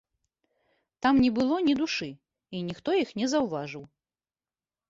Там не было ні душы, і ніхто іх не заўважыў.